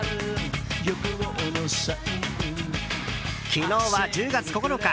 昨日は１０月９日。